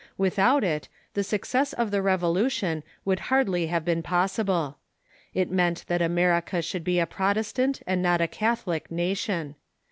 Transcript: Without it, the success of the Revolution would hardly have been possible. It meant that America should be a Protestant, and not a Catholic, nation.